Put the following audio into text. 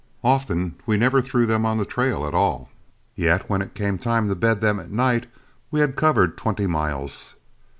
Often we never threw them on the trail at all, yet when it came time to bed them at night, we had covered twenty miles.